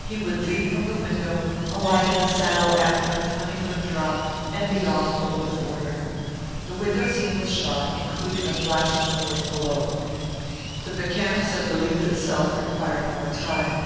He would leap from the window, alight in the saddle after a twenty foot drop, and be off over the border. The window scene was shot, including a flash of the horse below. The mechanics of the leap itself required more time.